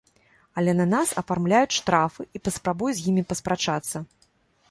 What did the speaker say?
Але на нас афармляюць штрафы, і паспрабуй з імі паспрачацца!